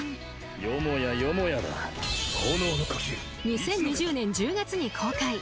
［２０２０年１０月に公開］